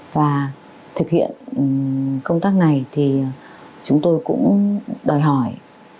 và thực hiện công tác này thì chúng tôi cũng đòi hỏi